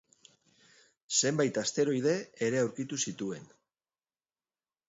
Zenbait asteroide ere aurkitu zituen.